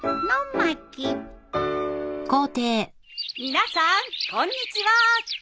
皆さんこんにちは。